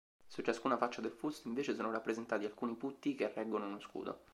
Su ciascuna faccia del fusto, invece, sono rappresentati alcuni putti che reggono uno scudo.